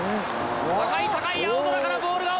高い高い青空からボールが落ちてくる！